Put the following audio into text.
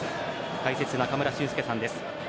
解説、中村俊輔さんです。